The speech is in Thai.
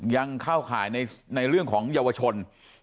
ยังเข้าข่ายในเรื่องของเยาวชน